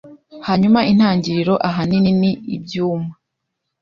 Hanyuma intangiriro ahanini ni ibyuma